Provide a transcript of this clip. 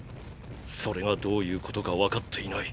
それがどういうことかわかっていない。